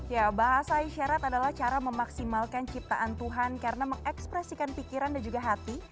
ya bahasa isyarat adalah cara memaksimalkan ciptaan tuhan karena mengekspresikan pikiran dan juga hati